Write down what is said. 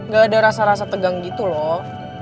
gak ada rasa rasa tegang gitu loh